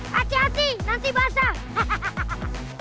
hati hati nanti basah